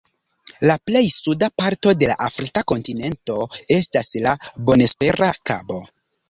La plej suda parto de la Afrika kontinento estas la Bonespera Kabo.